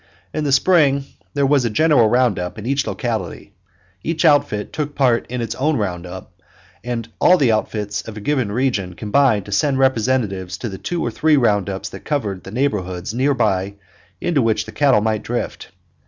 In the spring there was a general round up in each locality. Each outfit took part in its own round up, and all the outfits of a given region combined to send representatives to the two or three round ups that covered the neighborhoods near by into which their cattle might drift.